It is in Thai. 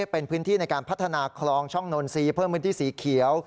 เป็นพื้นที่ในการพัฒนาคลองช่องนนทรีย์เพิ่มพื้นที่สีเขียว